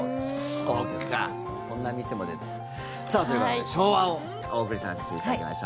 そっか、そんな店も出て。ということで、昭和をお送りさせていただきました。